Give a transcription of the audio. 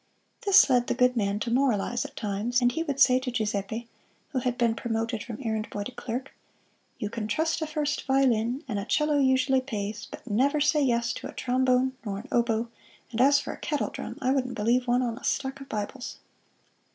This led the good man to moralize at times, and he would say to Giuseppe, who had been promoted from errand boy to clerk: "You can trust a first violin, and a 'cello usually pays, but never say yes to a trombone nor an oboe; and as for a kettle drum, I wouldn't believe one on a stack of Bibles!"